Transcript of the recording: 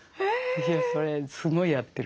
それすごいやってる。